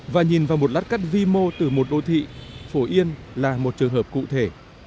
và nhìn vào một lát cắt vi mô từ một đô thị phổ yên là một trường hợp cụ thể